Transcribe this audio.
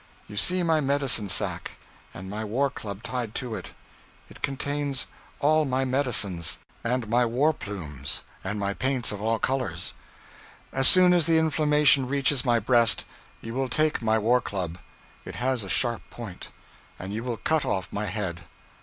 You see my medicine sack, and my war club tied to it. It contains all my medicines, and my war plumes, and my paints of all colors. As soon as the inflammation reaches my breast, you will take my war club. It has a sharp point, and you will cut off my head.